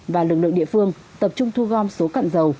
và lực lượng địa phương tập trung thu gom số cặn dầu